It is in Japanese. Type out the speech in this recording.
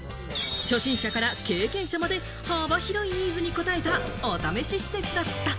初心者から経験者まで幅広いニーズにこたえた、お試し施設だった。